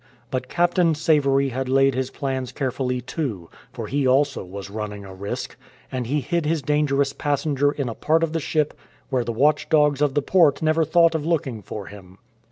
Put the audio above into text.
But Captain Savory had laid his plans carefully too, for he also was running a risk ; and he hid his dangerous passenger in a part of the ship where the watch dogs of the port never thought of looking for him.